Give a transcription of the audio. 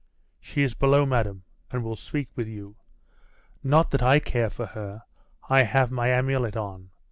'She is below, madam, and will speak with you. Not that I care for her; I have my amulet on.